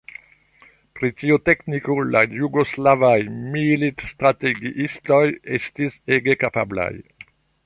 Pri tiu tekniko la jugoslavaj militstrategiistoj estis ege kapablaj.